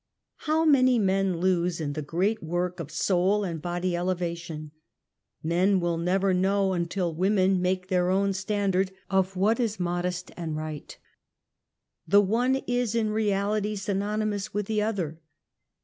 How much men lose in the great work of souland body elevation, men will never know until women make their own stand ard of what is modest and right. The one is in reality synonymous with the other.